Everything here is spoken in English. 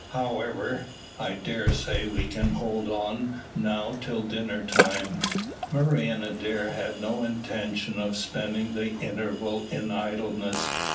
However, I dare say we can hold on now till dinner time." Murray and Adair had no intention of spending the interval in idleness.